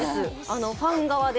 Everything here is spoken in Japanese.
ファン側で。